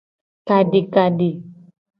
Kadikadi.